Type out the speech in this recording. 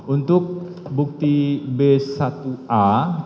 untuk bukti b satu a